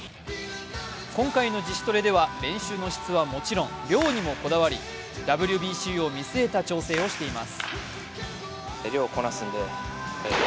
今回の自主トレでは練習の質はもちろん量にもこだわりＷＢＣを見据えた調整をしています。